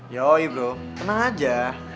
yoi bro tenang aja